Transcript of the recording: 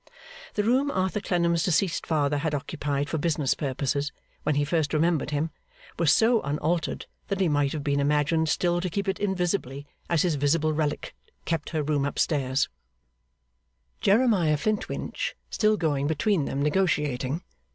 The room Arthur Clennam's deceased father had occupied for business purposes, when he first remembered him, was so unaltered that he might have been imagined still to keep it invisibly, as his visible relict kept her room up stairs; Jeremiah Flintwinch still going between them negotiating.